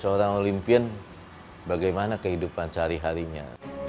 seorang olimpian bagaimana kehidupan sehari harinya